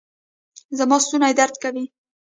زما ستونی درد کوي